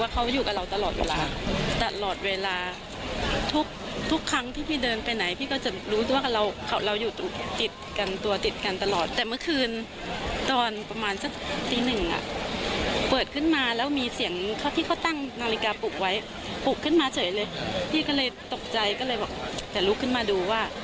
ก็เลยตกใจก็เลยแบบแต่ลุกขึ้นมาดูว่า